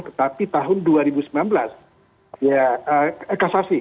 tetapi tahun dua ribu sembilan belas ya kasasi